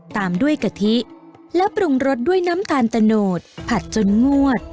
ตามด้วยกะทิและปรุงรสด้วยน้ำตาลตะโนดผัดจนงวด